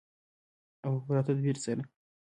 او په پوره تدبیر سره.